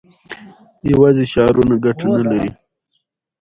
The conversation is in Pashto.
یوازې شعارونه ګټه نه لري.